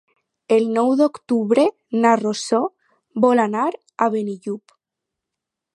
El nou d'octubre na Rosó vol anar a Benillup.